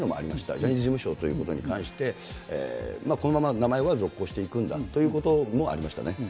ジャニーズ事務所ということに関して、このまま名前は続行していくんだということもありましたね。